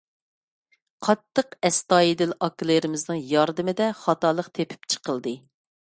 قاتتىق ئەستايىدىل ئاكىلىرىمىزنىڭ ياردىمىدە خاتالىق تېپىپ چىقىلدى.